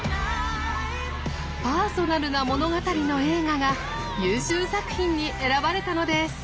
パーソナルな物語の映画が優秀作品に選ばれたのです！